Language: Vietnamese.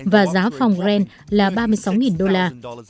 và giá phòng brent là ba mươi sáu đô la